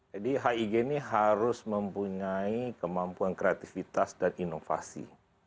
jadi hig ini harus mempunyai kemampuan kreativitas dan inovasi